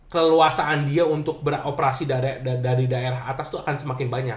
keleluasaan dia untuk beroperasi dari daerah atas itu akan semakin banyak